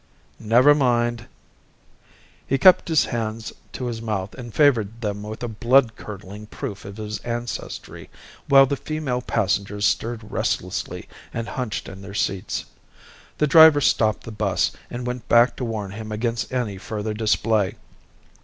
"Never mind." He cupped his hands to his mouth and favored them with a blood curdling proof of his ancestry, while the female passengers stirred restlessly and hunched in their seats. The driver stopped the bus and went back to warn him against any further display.